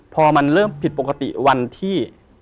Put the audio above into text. พอมันเริ่มผิดปกติวันที่